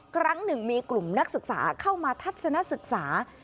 ครั้งหนึ่งมีกลุ่มนักศึกษาเข้ามาทัศนศึกษา